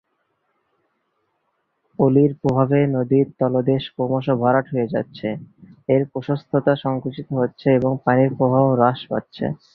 পলির প্রভাবে নদীর তলদেশ ক্রমশ ভরাট হয়ে যাচ্ছে, এর প্রশস্ততা সংকুচিত হচ্ছে এবং পানির প্রবাহ হ্রাস পাচ্ছে।